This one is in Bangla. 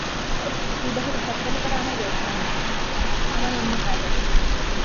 বিবাহের ঘটকালি করা আমার ব্যবসায় নয়, আমার অন্য কাজ আছে।